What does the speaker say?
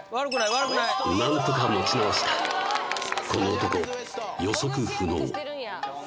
悪くないなんとか持ち直したこの男予測不能